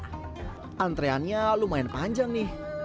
nah antreannya lumayan panjang nih